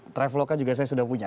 traveloka juga saya sudah punya